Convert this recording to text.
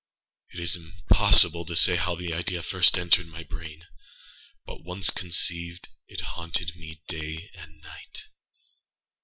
It is impossible to say how first the idea entered my brain; but once conceived, it haunted me day and night.